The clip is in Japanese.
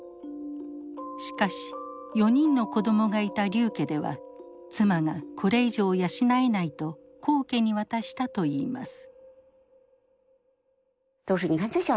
しかし４人の子どもがいた劉家では妻がこれ以上養えないと黄家に渡したといいます。